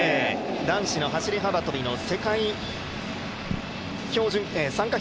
男子の走り幅跳びの参加